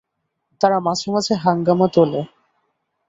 তারা মাঝে মাঝে হাঙ্গামা তোলে।